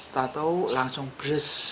tidak tahu langsung beres